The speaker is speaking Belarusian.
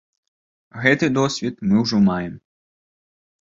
Гэты досвед мы ўжо маем.